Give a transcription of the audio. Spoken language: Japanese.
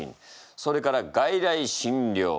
それから外来診療。